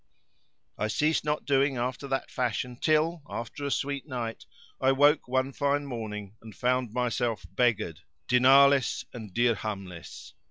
I ceased not doing after that fashion till, after a sweet night, I woke one fine morning and found myself beggared, dinar less and dirhamless.